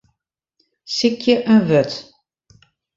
Sykje in wurd.